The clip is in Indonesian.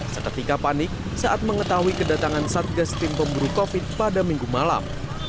seketika panik saat mengetahui kedatangan satgas tim pemburu covid pada minggu malam